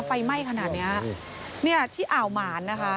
ไฟไหม้ขนาดเนี้ยเนี่ยที่อ่าวหมานนะคะ